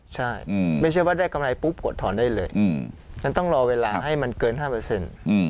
ใช่ไม่ใช่ว่าได้กำไรปุ๊บกดถอนได้เลยฉันต้องรอเวลาให้มันเกิน๕